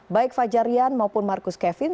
baik fajar rian maupun marcus kevin